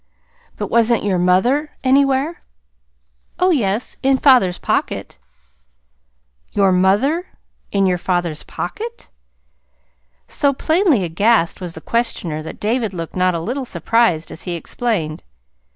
"But, wasn't your mother anywhere?" "Oh, yes, in father's pocket." "Your MOTHER in your father's POCKET!" So plainly aghast was the questioner that David looked not a little surprised as he explained.